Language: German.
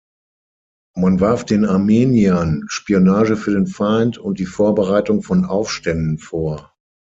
Man warf den Armeniern Spionage für den Feind und die Vorbereitung von Aufständen vor.